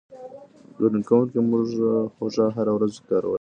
ګډون کوونکو هوږه هره ورځ کاروله.